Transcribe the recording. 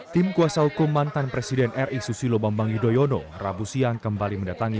tim kuasa hukum mantan presiden ri susilo bambang yudhoyono rabu siang kembali mendatangi